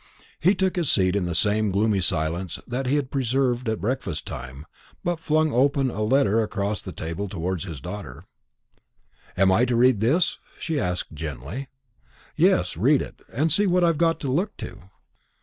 He took his seat in the same gloomy silence that he had preserved at breakfast time, but flung an open letter across the table towards his daughter. "Am I to read this?" she asked gently. "Yes, read it, and see what I've got to look to."